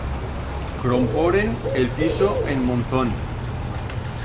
Cromporen el piso en Monzón.